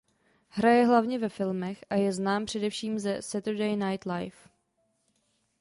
Hraje hlavně ve filmech a je znám především ze "Saturday Night Live".